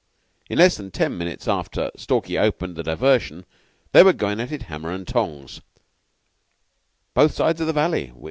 In less than ten minutes after Stalky opened the diversion they were going it hammer and tongs, both sides the valley.